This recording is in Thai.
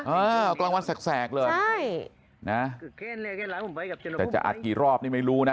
เออกลางวันแสกเลยใช่นะแต่จะอัดกี่รอบนี่ไม่รู้นะ